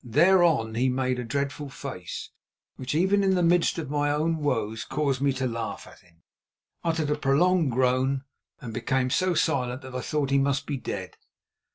Thereon he made a dreadful face, which even in the midst of my own woes caused me to laugh at him, uttered a prolonged groan, and became so silent that I thought he must be dead.